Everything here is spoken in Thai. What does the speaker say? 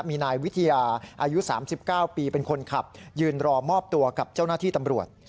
มีนายวิทยาอายุ๓๙ปีเป็นคนขับยืนรอมอบตัวกับเจ้าหน้าที่ตำรวจ